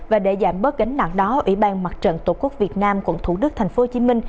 và để giảm bớt gánh nặng đó ủy ban mặt trận tổ quốc việt nam quận thủ đức tp hcm